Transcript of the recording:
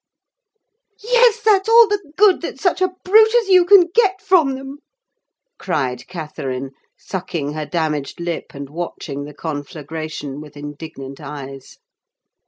"Yes, that's all the good that such a brute as you can get from them!" cried Catherine, sucking her damaged lip, and watching the conflagration with indignant eyes.